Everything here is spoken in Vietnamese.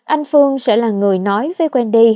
anh phương sẽ là người nói với wendy